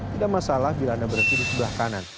tidak masalah bila anda berhenti di sebelah kanan